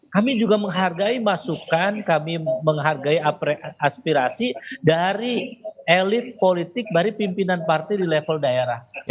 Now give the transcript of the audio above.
kami juga menghargai masukan kami menghargai aspirasi dari elit politik dari pimpinan partai di level daerah